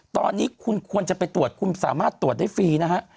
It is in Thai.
ตอนนี้คุณควรจะไปตรวจคุณสามารถตรวจได้ฟรีนะฮะ